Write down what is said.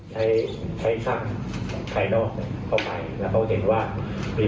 ใช้ใช้ใช้ชั่งกายป้ายแล้วเขาเห็นว่ามี